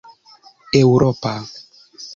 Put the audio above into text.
eŭropa